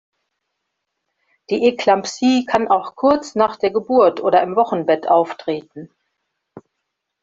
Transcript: Die Eklampsie kann auch kurz nach der Geburt oder im Wochenbett auftreten.